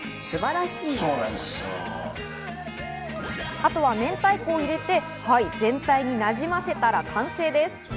あとは明太子を入れて全体になじませたら完成です。